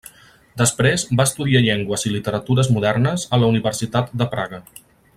Després va estudiar llengües i literatures modernes a la Universitat de Praga.